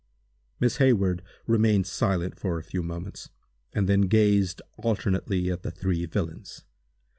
Miss Hayward remained silent for a few moments, and then gazed alternately at the three villains.